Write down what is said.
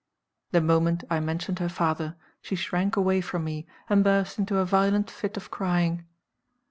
The moment I mentioned her father, she shrank away from me and burst into a violent fit of crying.